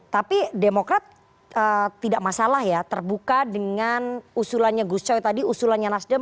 tapi demokrat tidak masalah ya terbuka dengan usulannya gus coy tadi usulannya nasdem